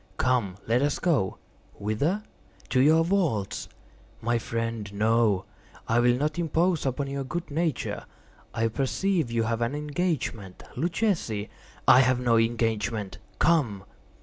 "Come, let us go." "Whither?" "To your vaults." "My friend, no; I will not impose upon your good nature. I perceive you have an engagement. Luchesi—" "I have no engagement;—come."